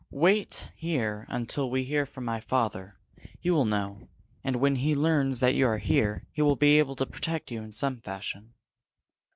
Wait here until we hear from my father. He will know. And when he learns that you are here, he will be able to protect you in some fashion."